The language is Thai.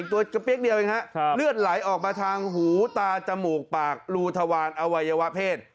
ตัวกระเปี๊ยกเดียวเองฮะเลือดไหลออกมาทางหูตาจมูกปากรูทวานอวัยวะเพศ